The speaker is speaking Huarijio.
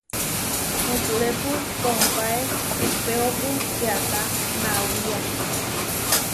Mukurépu kompáe ehpéopu čiatá nawía.